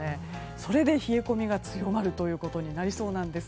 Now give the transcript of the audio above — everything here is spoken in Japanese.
それで冷え込みが強まるということになりそうなんです。